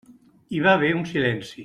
Hi va haver un silenci.